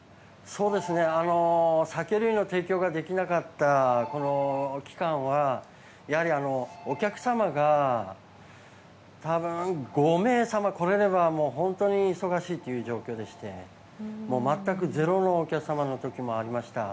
酒類の提供ができなかったこの期間はやはり、お客様が多分５名様来られれば本当に忙しいという状況でして全くゼロのお客様の日もありました。